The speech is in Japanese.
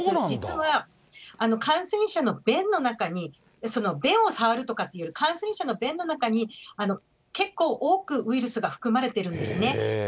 実は、感染者の便の中に、便を触るとかっていうより、感染者の便の中に結構、多くウイルスが含まれているんですね。